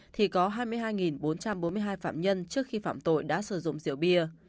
thì có hai mươi hai bốn trăm bốn mươi hai phạm nhân trước khi phạm tội đã sử dụng rượu bia